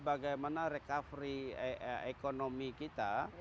bagaimana recovery ekonomi kita